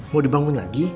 mau dibangun lagi